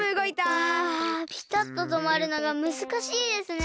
あピタッととまるのがむずかしいですね。